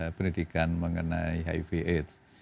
pendidikan mengenai hiv aids